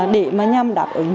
để mà nhằm đáp ứng